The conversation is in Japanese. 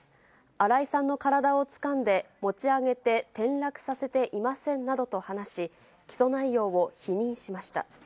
新井さんの体をつかんで持ち上げて転落させていませんなどと話し、起訴内容を否認しました。